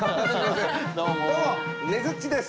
どうもねづっちです！